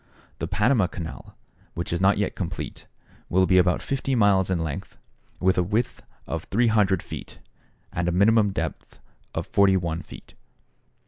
The Panama Canal, which is not yet completed, will be about 50 miles in length, with a width of 300 feet, and a minimum depth of 41 feet.